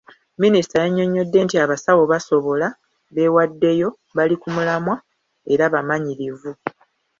Minisita yannyonnyodde nti abasawo basobola, beewaddeyo, bali ku mulamwa era bamanyirivu.